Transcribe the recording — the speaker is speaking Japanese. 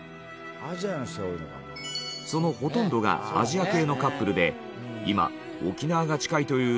そのほとんどがアジア系のカップルで今沖縄が近いという理由から